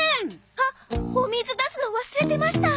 あっお水出すの忘れてました。